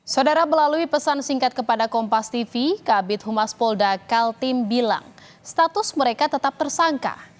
saudara melalui pesan singkat kepada kompas tv kabit humas polda kaltim bilang status mereka tetap tersangka